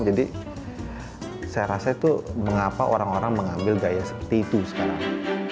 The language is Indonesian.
jadi saya rasa itu mengapa orang orang mengambil gaya seperti itu sekarang